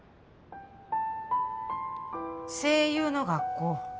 声優の学校